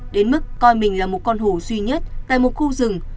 đến mức coi mình là một con hổ duy nhất tại một khu rừng